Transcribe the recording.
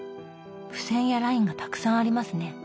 付箋やラインがたくさんありますね。